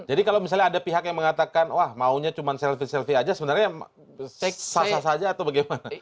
jadi kalau misalnya ada pihak yang mengatakan wah maunya cuma selfie selfie aja sebenarnya sasa sasa aja atau bagaimana